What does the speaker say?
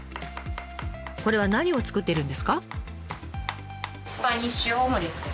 これは何を作っているんですか？